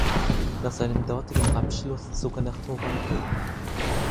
Nach seinem dortigen Abschluss zog er nach Toronto.